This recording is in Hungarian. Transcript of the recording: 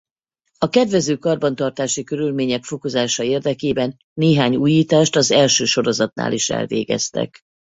A kedvező karbantartási körülmények fokozása érdekében néhány újítást az első sorozatnál is elvégeztek.